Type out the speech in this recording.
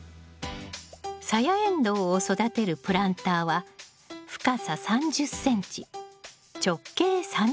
サヤエンドウを育てるプランターは深さ３０ｃｍ直径３０ｃｍ。